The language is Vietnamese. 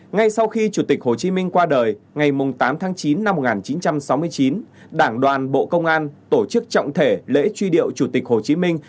ngay sau khi chủ tịch hồ chí minh qua đời ngày tám tháng chín năm một nghìn chín trăm sáu mươi chín đảng đoàn bộ công an tổ chức trọng thể lễ truy điệu chủ tịch hồ chí minh